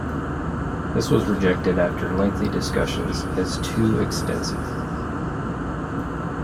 This was rejected after lengthy discussions as too extensive.